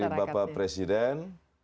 dapat penghargaan dari bapak presiden